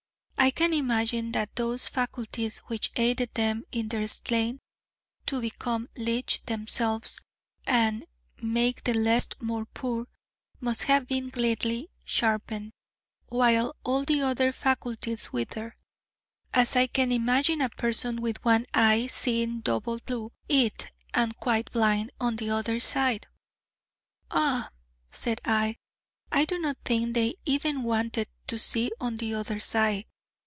I can imagine that those faculties which aided them in their stlain to become lich themselves, and make the lest more poor, must have been gleatly sharpened, while all the other faculties withered: as I can imagine a person with one eye seeing double thlough it, and quite blind on the other side.' 'Ah,' said I, 'I do not think they even wanted to see on the other side.